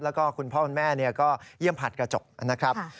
แล้วก็คุณพ่อคุณแม่ก็เยี่ยมผัดกระจกนะครับ